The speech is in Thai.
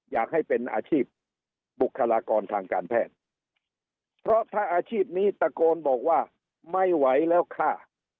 อยากให้เป็นอาชีพบุคลากรทางการแพทย์เพราะถ้าอาชีพนี้ตะโกนบอกว่าไม่ไหวแล้วค่ะ